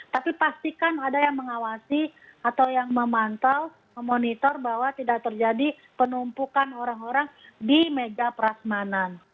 tapi pastikan ada yang mengawasi atau yang memantau memonitor bahwa tidak terjadi penumpukan orang orang di meja prasmanan